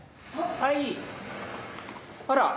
はい。